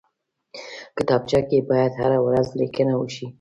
کتابچه کې باید هره ورځ لیکنه وشي